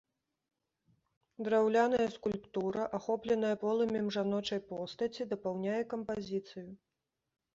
Драўляная скульптура, ахопленай полымем жаночай постаці, дапаўняе кампазіцыю.